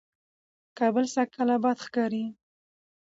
کابل سږکال آباد ښکاري،